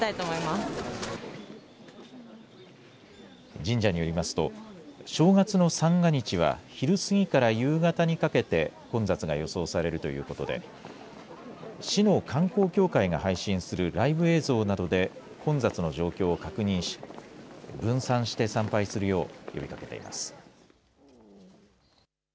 神社によりますと正月の三が日は昼過ぎから夕方にかけて混雑が予想されるということで市の観光協会が配信するライブ映像などで混雑の状況を確認し分散して参拝するよう呼びかけています。